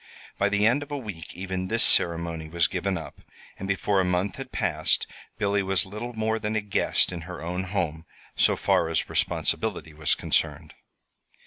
By the end of a week even this ceremony was given up, and before a month had passed, Billy was little more than a guest in her own home, so far as responsibility was concerned.